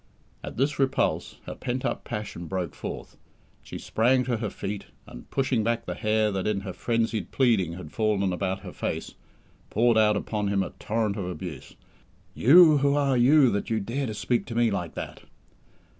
At this repulse, her pent up passion broke forth. She sprang to her feet, and, pushing back the hair that in her frenzied pleading had fallen about her face, poured out upon him a torrent of abuse. "You! Who are you, that you dare to speak to me like that?